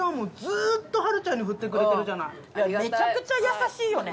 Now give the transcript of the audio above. うんめちゃくちゃ優しいよね